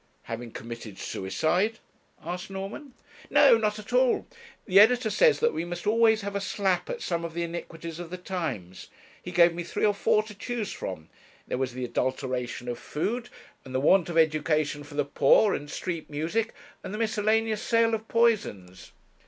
'Having committed suicide?' asked Norman. 'No, not at all. The editor says that we must always have a slap at some of the iniquities of the times. He gave me three or four to choose from; there was the adulteration of food, and the want of education for the poor, and street music, and the miscellaneous sale of poisons.'